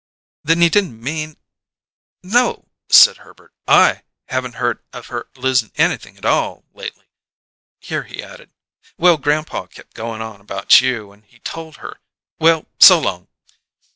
"Then you didn't mean " "No," said Herbert, "I haven't heard of her losin' anything at all, lately." Here he added: "Well, grandpa kept goin' on about you, and he told her Well, so long!"